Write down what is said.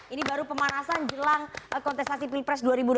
ini baru pemanasan jelang kontestasi pilpres dua ribu dua puluh